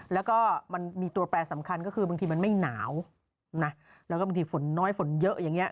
แล้วก็มันมีตัวแปรสำคัญก็คือบางทีมันไม่หนาวนะแล้วก็บางทีฝนน้อยฝนเยอะอย่างเงี้